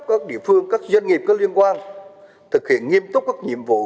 các địa phương các doanh nghiệp có liên quan thực hiện nghiêm túc các nhiệm vụ